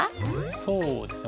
そうですね